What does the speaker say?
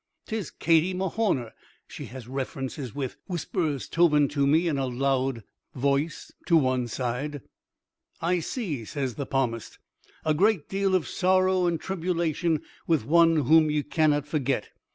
"'Tis Katie Mahorner she has references with," whispers Tobin to me in a loud voice to one side. "I see," says the palmist, "a great deal of sorrow and tribulation with one whom ye cannot forget.